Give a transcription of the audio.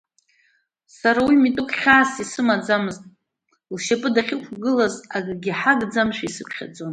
Сара уи митәык хьаас исымаӡамызт, лшьапы дахьықәгылаз акы ҳагӡамызшәа исыԥхьаӡон.